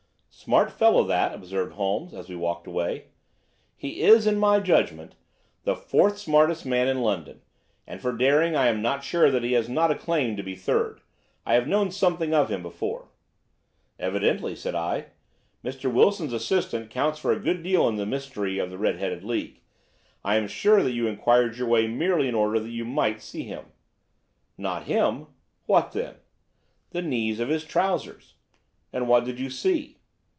"Smart fellow, that," observed Holmes as we walked away. "He is, in my judgment, the fourth smartest man in London, and for daring I am not sure that he has not a claim to be third. I have known something of him before." "Evidently," said I, "Mr. Wilson's assistant counts for a good deal in this mystery of the Red headed League. I am sure that you inquired your way merely in order that you might see him." "Not him." "What then?" "The knees of his trousers." "And what did you see?"